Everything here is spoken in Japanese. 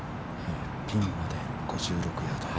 ◆ピンまで５６ヤード。